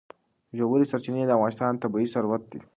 ژورې سرچینې د افغانستان طبعي ثروت دی.